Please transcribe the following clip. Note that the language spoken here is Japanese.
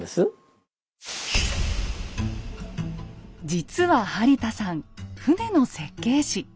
実は播田さん船の設計士。